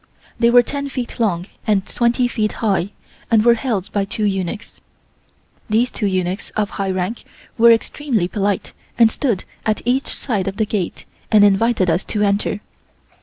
They were ten feet long and twenty feet high and were held by two eunuchs. These two eunuchs of high rank were extremely polite and stood at each side of the gate and invited us to enter.